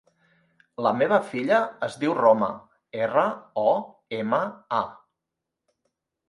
La meva filla es diu Roma: erra, o, ema, a.